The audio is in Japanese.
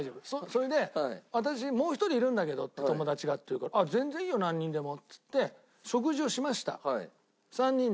それで「私もう１人いるんだけど友達が」って言うから「全然いいよ何人でも」っつって食事をしました。